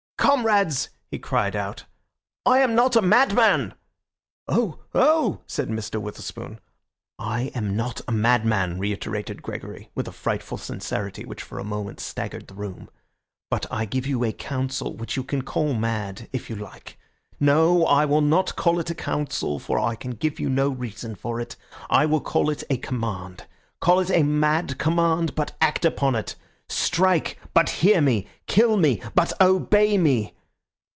"Comrades," he cried out, "I am not a madman." "Oh, oh!" said Mr. Witherspoon. "I am not a madman," reiterated Gregory, with a frightful sincerity which for a moment staggered the room, "but I give you a counsel which you can call mad if you like. No, I will not call it a counsel, for I can give you no reason for it. I will call it a command. Call it a mad command, but act upon it. Strike, but hear me! Kill me, but obey me!